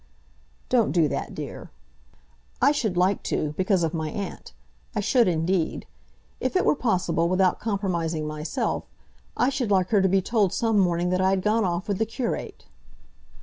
"Don't do that, dear." "I should like to, because of my aunt. I should indeed. If it were possible, without compromising myself, I should like her to be told some morning that I had gone off with the curate."